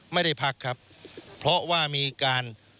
ไม่ได้พักครับเพราะว่ามีการ